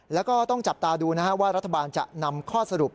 แล้วก็ต้องจับตาดูนะฮะว่ารัฐบาลจะนำข้อสรุป